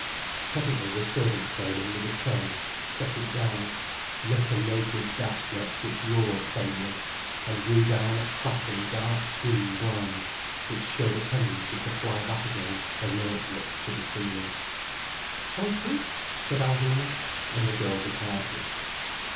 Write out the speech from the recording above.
Presently the servant came in with a tray, set it down, lit a naked gas jet, which roared faintly, and drew down a crackly dark green blind, which showed a tendency to fly back again alertly to the ceiling. "Thank you," said Alvina, and the girl departed.